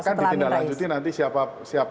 setelah amin rais akan ditindaklanjuti nanti siapa